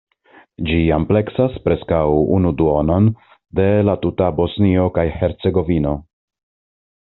Ĝi ampleksas preskaŭ unu duonon de la tuta Bosnio kaj Hercegovino.